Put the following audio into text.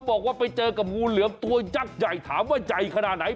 บอกว่าไปเจอกับงูเหลือมตัวยักษ์ใหญ่ถามว่าใหญ่ขนาดไหน